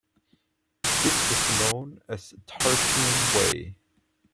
This was known as Tarpeian Way.